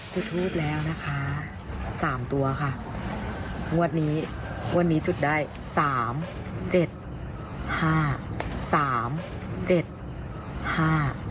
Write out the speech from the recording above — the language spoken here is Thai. จุดทูปแล้วนะคะสามตัวค่ะงวดนี้งวดนี้จุดได้สามเจ็ดห้าสามเจ็ดห้า